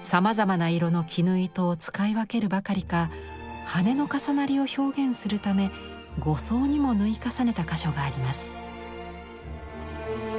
さまざまな色の絹糸を使い分けるばかりか羽根の重なりを表現するため５層にも縫い重ねた箇所があります。